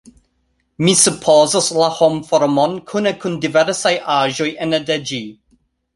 Mi supozas, la homformon kune kun diversaj aĵoj ene de ĝi.